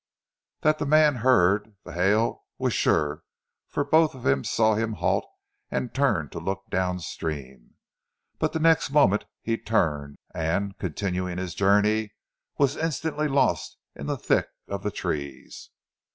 That the man heard the hail was sure for both of them saw him halt and turn to look downstream, but the next moment he turned, and, continuing his journey, was instantly lost in the thick of the trees.